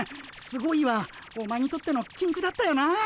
「すごい」はお前にとってのきんくだったよな。